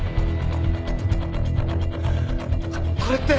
これって。